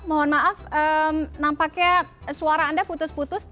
mohon maaf nampaknya suara anda putus putus